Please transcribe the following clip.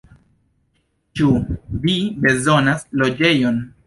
Ĉu vi bezonas loĝejon?